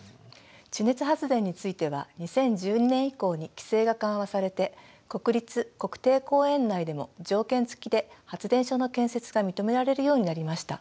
地熱発電については２０１２年以降に規制が緩和されて国立・国定公園内でも条件付きで発電所の建設が認められるようになりました。